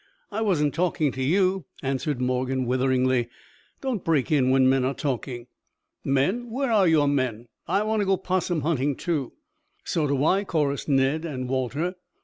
"I wasn't talking to you," answered Morgan witheringly. "Don't break in when men are talking." "Men? Where are your men? I want to go 'possum hunting, too." "So do I," chorused Ned and Walter.